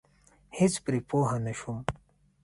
هېڅ پرې پوه نشوم.